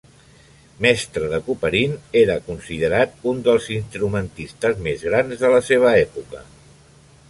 Mestre de Couperin, era considerat un dels instrumentistes grans de la seva època.